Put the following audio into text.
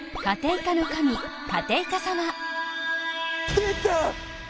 出た！